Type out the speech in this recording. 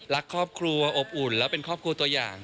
รักครอบครัวอบอุ่นแล้วเป็นครอบครัวตัวอย่าง